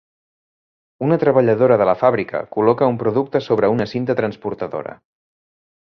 Una treballadora de la fàbrica col·loca un producte sobre una cinta transportadora.